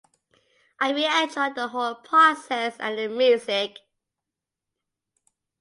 I really enjoyed the whole process and the music.